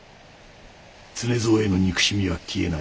常蔵への憎しみは消えない。